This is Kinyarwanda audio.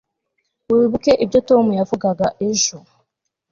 wibuke ibyo tom yavugaga ejo